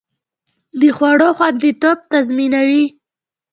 د خوړو خوندیتوب تضمینوي.